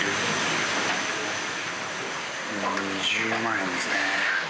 ２０万円ですね。